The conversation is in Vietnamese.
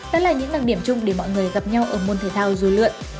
đó là những đằng điểm chung để mọi người gặp nhau ở môn thể thao du lượn